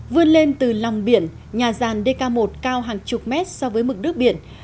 vươn lên từ lòng biển nhà ràn dk một cao hàng chục mét so với mực nước biển